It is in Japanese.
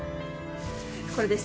これです。